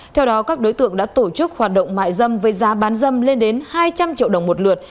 theo đó các đối tượng đã tổ chức hoạt động mại dâm với giá bán dâm lên đến hai trăm linh triệu đồng một lượt